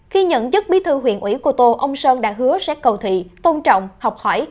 khi nhận chức bí thư huyện ủy cô tô ông sơn đã hứa sẽ cầu thị tôn trọng học hỏi